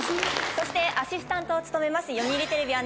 そしてアシスタントを務めます。